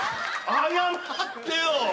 謝ってよ。